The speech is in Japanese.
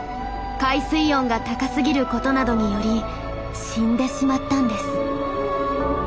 海水温が高すぎることなどにより死んでしまったんです。